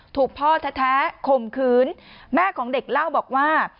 ถูกพ่อแท้ข่มขืนแม่ของเด็กเล่าบอกว่า